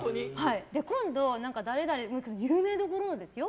今度、誰々と、有名どころですよ。